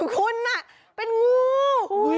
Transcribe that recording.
คุณเป็นงู